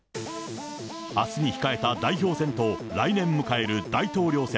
あすに控えた代表選と、来年迎える大統領選。